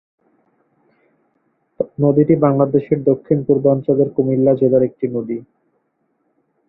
নদীটি বাংলাদেশের দক্ষিণ-পূর্বাঞ্চলের কুমিল্লা জেলার একটি নদী।